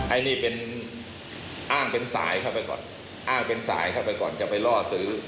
อันนี้เป็นอ้างเป็นสายเข้าไปก่อนอ้างเป็นสายเข้าไปก่อนจะไปล่อซื้อ